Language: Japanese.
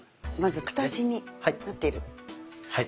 まず片足になっている。